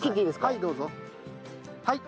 はいどうぞ。